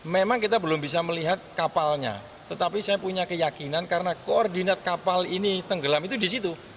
memang kita belum bisa melihat kapalnya tetapi saya punya keyakinan karena koordinat kapal ini tenggelam itu di situ